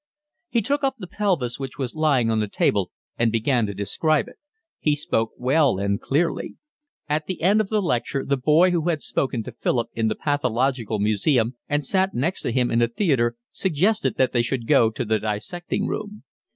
He took up the pelvis which was lying on the table and began to describe it. He spoke well and clearly. At the end of the lecture the boy who had spoken to Philip in the pathological museum and sat next to him in the theatre suggested that they should go to the dissecting room.